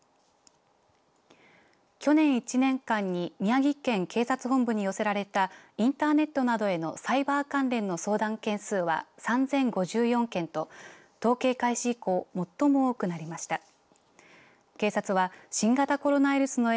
去年１年間に宮城県警察本部に寄せられたインターネットなどへのサイバー関連の相談件数は３０５４件と統計開始以降最も多くなりました。